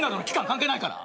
関係ないから。